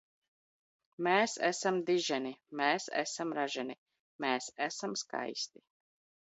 Mēs esam diženi! Mēs esam raženi! Mēs esam skaisti!